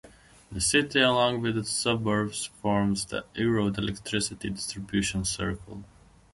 The city along with its suburbs forms the Erode Electricity Distribution Circle.